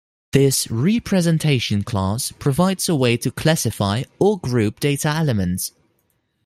This "representation class" provides a way to classify or group data elements.